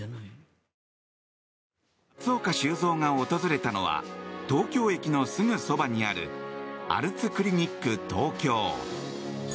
松岡修造が訪れたのは東京駅すぐそばにあるアルツクリニック東京。